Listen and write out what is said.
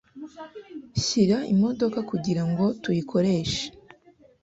Shyira imodoka kugirango tuyikoreshe.